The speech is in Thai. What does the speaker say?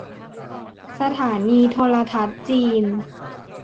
สถานีโทรทัศน์จีน